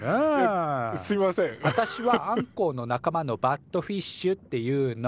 あたしはアンコウの仲間のバットフィッシュっていうの。